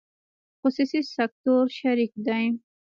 خصوصي سکتور شریک دی